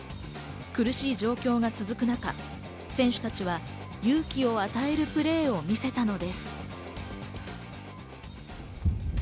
苦しい状況が続く中、選手たちは勇気を与えるプレーを見せたのです。